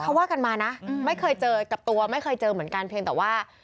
เขาว่ากันมานะไม่เคยเจอกับตัวไม่เคยเจอเหมือนกันเพียงแต่ว่า